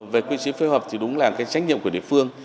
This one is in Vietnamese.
về quy chế phối hợp thì đúng là cái trách nhiệm của địa phương